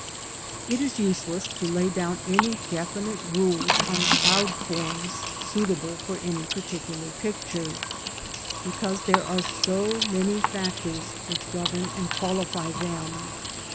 It is useless to lay down any definite rules on cloud forms suitable for any particular picture, because there are so many SKIES. 71 factors which govern and qualify them.